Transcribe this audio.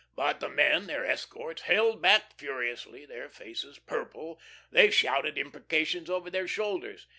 But the men, their escorts, held back furiously; their faces purple, they shouted imprecations over their shoulders.